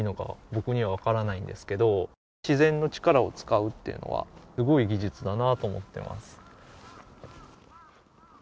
僕にはわからないんですけど自然の力を使うっていうのはすごい技術だなと思っています。